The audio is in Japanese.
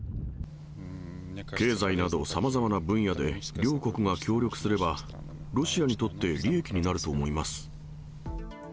経済などさまざまな分野で、両国が協力すれば、ロシアにとって利益になると思います。